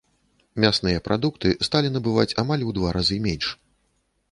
Мясныя прадукты сталі набываць амаль у два разы менш.